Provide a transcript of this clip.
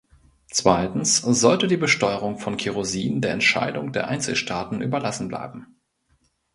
Zweitens sollte die Besteuerung von Kerosin der Entscheidung der Einzelstaaten überlassen bleiben.